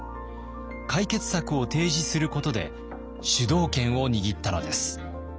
解決策を提示することで主導権を握ったのです。